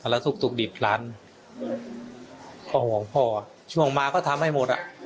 แล้วทุกดิบหลานของพ่อช่วงมาก็ทำให้หมด